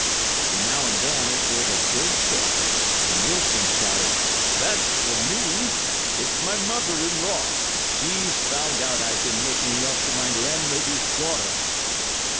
Every now and then it gave a big tilt, and Nielssen shouted, "That's for me! It's my mother in law—she's found out I've been making love to my landlady's daughter."